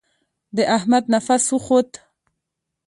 د احمد نفس وخوت.